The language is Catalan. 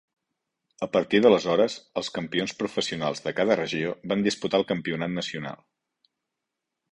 A partir d'aleshores, els campions professionals de cada regió van disputar el campionat nacional.